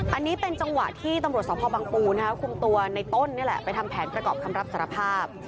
อันนี้เป็นจังหวะที่ตำรวจสพบังปูนะคะคุมตัวในต้นนี่แหละไปทำแผนประกอบคำรับสารภาพ